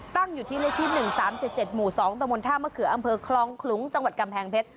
ตั้งอยู่ที่เลขที่๑๓๗๗หมู่๒ตะบนท่ามะเขืออำเภอคลองขลุงจังหวัดกำแพงเพชร